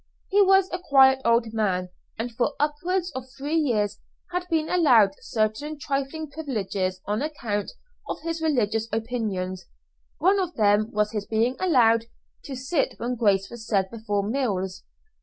He was a quiet old man, and for upwards of three years had been allowed certain trifling privileges on account of his religious opinions, one of them was his being allowed to sit when grace was said before meals.